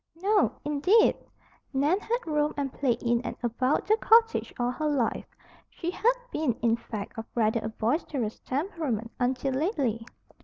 No, indeed! Nan had romped and played in and about the cottage all her life. She had been, in fact, of rather a boisterous temperament until lately.